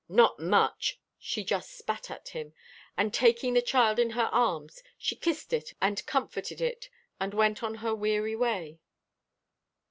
"Not much," she just spat at him, and taking the child in her arms, she kissed it and comforted it, and went on her weary way.